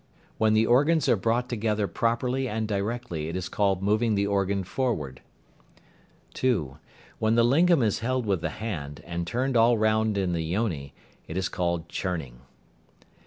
When the organs are brought together properly and directly it is called "moving the organ forward." (2). When the lingam is held with the hand, and turned all round in the yoni, it is called "churning."